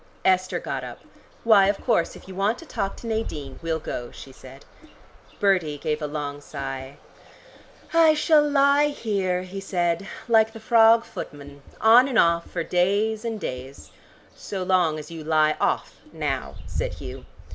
Esther got up. "Why, of course, if you want to talk to Nadine, we'll go," she said. Bertie gave a long sigh. "I shall lie here," he said, "like the frog footman on and off for days and days " "So long as you lie off now," said Hugh.